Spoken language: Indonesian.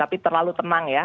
tapi terlalu tenang ya